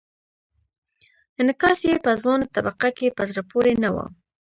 انعکاس یې په ځوانه طبقه کې په زړه پورې نه و.